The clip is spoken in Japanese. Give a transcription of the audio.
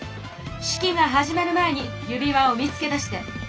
式が始まる前に指輪を見つけ出して！